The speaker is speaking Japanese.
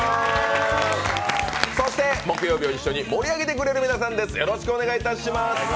そして、木曜日を一緒に盛り上げてくれる皆さんです。